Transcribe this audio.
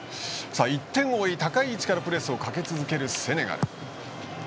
１点を追い、高い位置からプレスをかけ続けるセネガル。